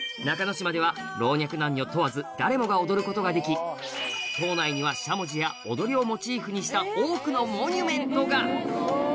島では老若男女問わず誰もが踊ることができ島内にはしゃもじや踊りをモチーフにした多くのモニュメントが！